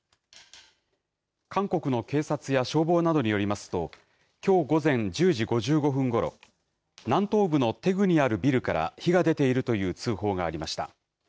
韓国の警察や消防などによりますと、きょう午前１０時５５分ごろ、南東部のテグにあるビルから火が出ているという通報がありました。